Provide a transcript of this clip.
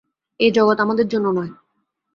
এই জগৎ আমাদের জন্য নয়।